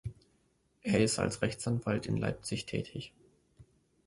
Er ist als Rechtsanwalt in Leipzig tätig.